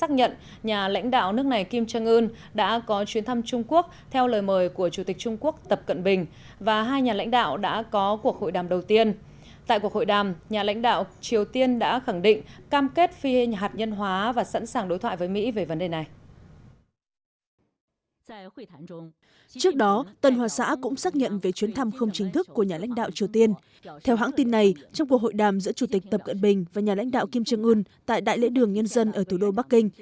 theo hãng tin này trong cuộc hội đàm giữa chủ tịch tập cận bình và nhà lãnh đạo kim trang ưn tại đại lễ đường nhân dân ở thủ đô bắc kinh